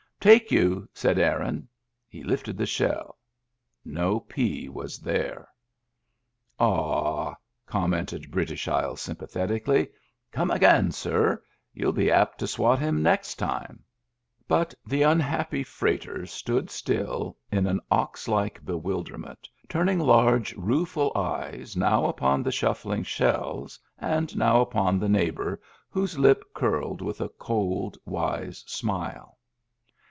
" Take you," said Aaron. He lifted the shell. No pea was there ! "Aw!" commented British Isles sympathetic ally. " Come again, sir. You'll be apt to swat him next time." But the unhappy freighter stood still in an ox like bewilderment, turning large, rueful eyes now upon the shuffling shells and now upon the neigh •bor, whose lip curled with a cold, wise smile.